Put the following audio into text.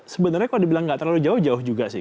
sebenarnya kalau dibilang nggak terlalu jauh jauh juga sih